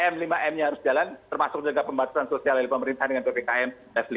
tiga m lima m nya harus jalan termasuk juga pembatasan sosial dari pemerintahan dengan ppkm